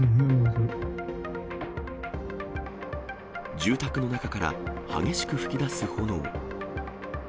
住宅の中から激しく噴き出す炎。